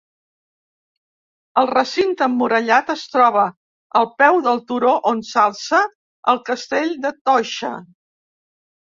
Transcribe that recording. El recinte emmurallat es troba al peu del turó on s'alça el castell de Toixa.